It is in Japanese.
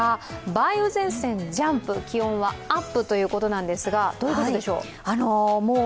梅雨前線ジャンプ、気温はアップということなんですが、どういうことでしょう？